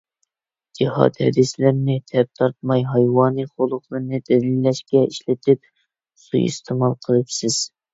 جىھاد ھەدىسلىرىنى تەپتارتماي ھايۋانىي خۇلقىنى دەلىللەشكە ئىشلىتىپ سۇيىئىستېمال قىلىپسىز.